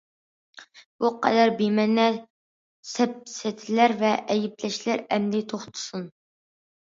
بۇ قەدەر بىمەنە سەپسەتىلەر ۋە ئەيىبلەشلەر ئەمدى توختىسۇن!